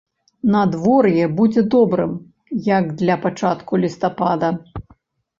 Надвор'е будзе добрым, як для пачатку лістапада.